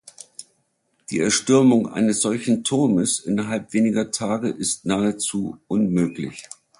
Die Erstürmung eines solchen Turmes innerhalb weniger Tage ist nahezu unmöglich.